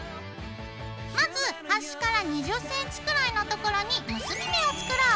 まずはしから２０ｃｍくらいのところに結び目を作ろう。